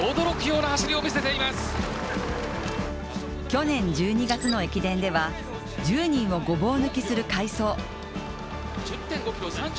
去年１２月の駅伝では、１０人をごぼう抜きする快走。